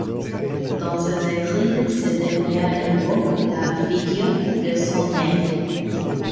Dans ses écrits, ce dernier évoque la figure de son maître.